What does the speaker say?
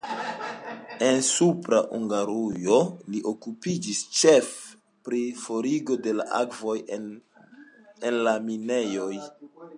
En Supra Hungarujo li okupiĝis ĉefe pri forigo de akvoj en la minejoj.